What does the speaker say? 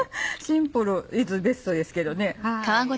シンプルイズベストですけどね。